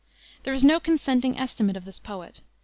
There is no consenting estimate of this poet.